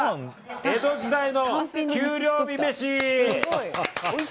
江戸時代の給料日めし！